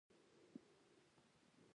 یوازې د ورځې په نرخ نه و.